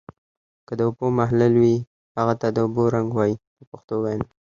که د اوبو محلل وي هغه ته د اوبو رنګ وایي په پښتو وینا.